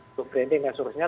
untuk branding dan sebagainya